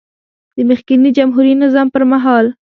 د مخکېني جمهوري نظام پر مهال